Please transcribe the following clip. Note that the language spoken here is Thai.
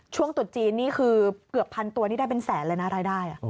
ตุดจีนนี่คือเกือบพันตัวนี่ได้เป็นแสนเลยนะรายได้